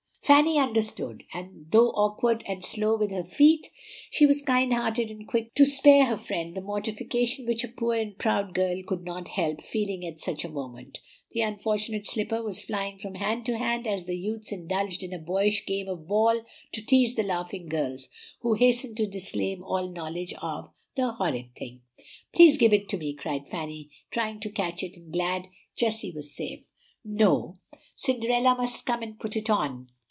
Fanny understood; and though awkward and slow with her feet, she was kind hearted and quick to spare her friend the mortification which a poor and proud girl could not help feeling at such a moment. The unfortunate slipper was flying from hand to hand as the youths indulged in a boyish game of ball to tease the laughing girls, who hastened to disclaim all knowledge of "the horrid thing." "Please give it to me!" cried Fanny, trying to catch it, and glad Jessie was safe. "No; Cinderella must come and put it on.